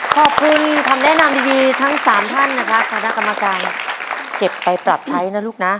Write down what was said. ขอบคุณคำแนะนำดีทั้งสามท่านนะครับคณะกรรมการเก็บไปปรับใช้นะลูกนะ